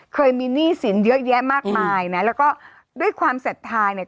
เคยมีหนี้สินเยอะแยะมากมายนะแล้วก็ด้วยความศรัทธาเนี่ย